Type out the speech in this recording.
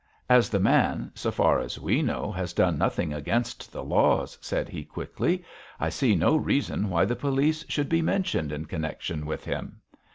'As the man, so far as we know, has done nothing against the laws,' said he, quickly, 'I see no reason why the police should be mentioned in connection with him.